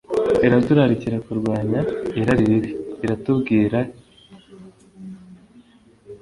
iraturarikira kurwanya irari ribi. Iratubwira iti,